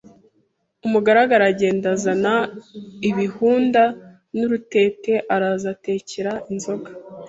Umugaragu aragenda azana ibihunda n'urutete araza atekera inzoga